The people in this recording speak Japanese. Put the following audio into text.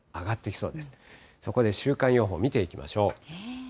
そこで週間予報見ていきましょう。